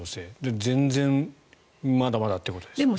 全然まだまだということですね。